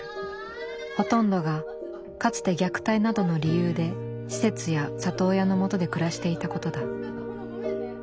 ほとんどがかつて虐待などの理由で施設や里親の元で暮らしていたことだ。